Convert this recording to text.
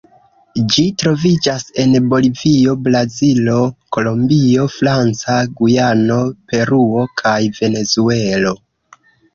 Ĝi troviĝas en Bolivio, Brazilo, Kolombio, Franca Gujano, Peruo kaj Venezuelo.